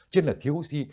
chứ là thiếu oxy